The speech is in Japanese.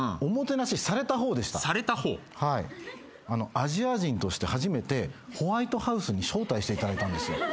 アジア人として初めてホワイトハウスに招待していただいたんですよ。